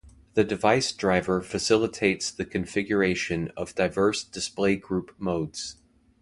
The device driver facilitates the configuration of diverse display group modes.